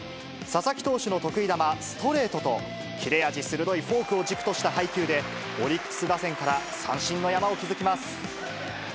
佐々木投手の得意球、ストレートと、切れ味鋭いフォークを軸とした配球で、オリックス打線から三振の山を築きます。